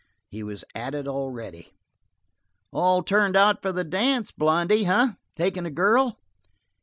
He was at it already. "All turned out for the dance, Blondy, eh? Takin' a girl?"